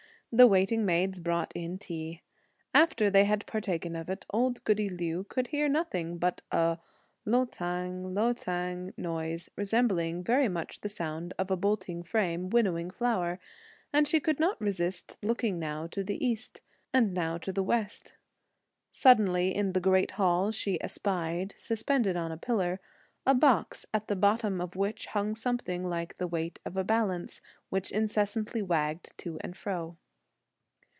The waiting maids brought the tea. After they had partaken of it, old goody Liu could hear nothing but a "lo tang, lo tang" noise, resembling very much the sound of a bolting frame winnowing flour, and she could not resist looking now to the East, and now to the West. Suddenly in the great Hall, she espied, suspended on a pillar, a box at the bottom of which hung something like the weight of a balance, which incessantly wagged to and fro.